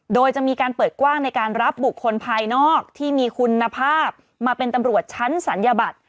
โดยจะมีการเปิดกว้างในการรับบุคคลภายนอกที่มีคุณภาพมาเป็นตำรวจชั้นศัลยบัตร